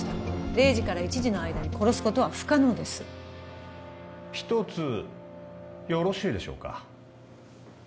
０時から１時の間に殺すことは不可能です一つよろしいでしょうか